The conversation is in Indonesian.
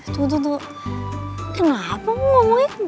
tuh tuh kenapa ngomongnya gitu banget